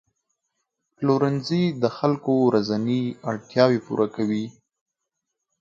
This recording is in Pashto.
پلورنځي د خلکو ورځني اړتیاوې پوره کوي.